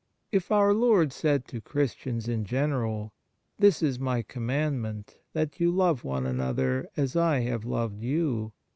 If our Lord said to Christians in general, "This is My commandment, that you love one another as I have loved you.